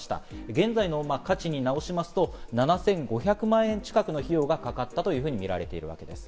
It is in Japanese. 現在の価値に直しますと７５００万円近くの費用がかかったとみられています。